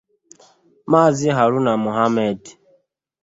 Maazị Haruna Mohammed